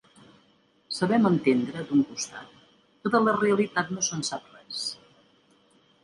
Sabem entendre, d’un costat, que de la realitat no se’n sap res.